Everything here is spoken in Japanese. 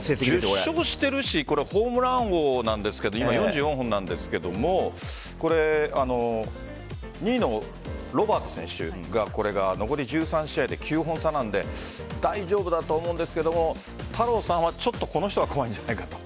１０勝しているしホームラン王なんですが４４本ですが２位のロベルト選手が残り１３試合で、９本差なので大丈夫だと思うんですが太郎さんはこの人が怖いんじゃないかと。